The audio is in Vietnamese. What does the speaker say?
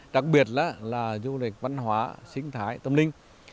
đặc biệt là du lịch văn hóa sinh thái tâm ninh